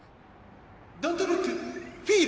・ドントルックフィール！